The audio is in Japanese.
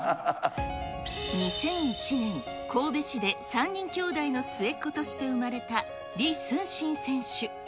２００１年、神戸市で３人兄弟の末っ子として生まれた李承信選手。